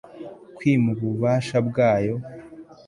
kwima ububasha bwayo